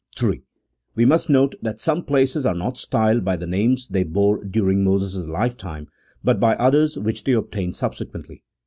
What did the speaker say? m. We must note that some places are not styled by the names they bore during Moses' lifetime, but by others which they obtained subsequently.